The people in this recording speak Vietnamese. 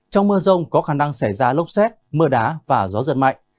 trong mưa rông có khả năng xảy ra lốc xét mưa đá và gió giật mạnh